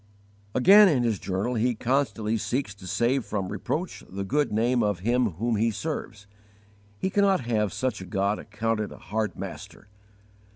* Vol. I. 74. Again, in his journal he constantly seeks to save from reproach the good name of Him whom he serves: he cannot have such a God accounted a hard Master.